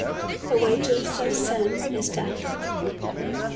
"The Wages of Sin is Death."